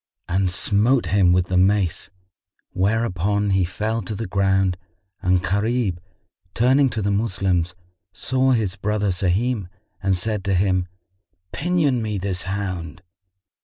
and smote him with the mace, whereupon he fell to the ground and Gharib, turning to the Moslems, saw his brother Sahim and said to him, "Pinion me this hound."